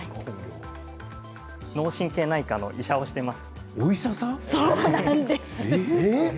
脳神経内科の医師をしています。